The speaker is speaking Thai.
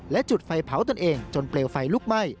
และจุดไฟเผาตนเองจนเปลวไฟลุกไหม้